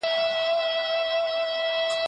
دا لپټاپ تر هغه بل ډېر نوی او چټک دی.